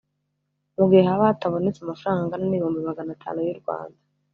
Mu gihe haba hatabonetse amafaranga angana n’ibihumbi magana atanu y’U Rwanda